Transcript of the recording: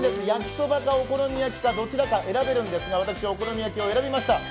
やきそばかお好み焼きかどちらか選べるんですが私、お好み焼きを選びました。